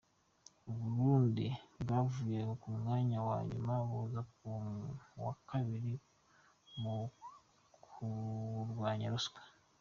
U Burundi bwavuye ku mwanya wa nyuma buza ku wa kabiri mu kurwanya ruswa